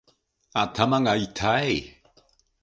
頭がいたい